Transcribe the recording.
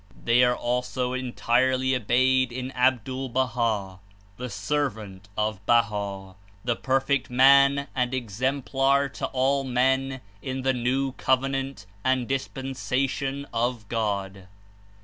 They are also entirely obeyed In 137 Abdul Baha\ the servant of Baha', the perfect Man and Exemplar to all men in the new Covenant and Dispensation of God.